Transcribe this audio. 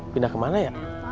pindah kemana ya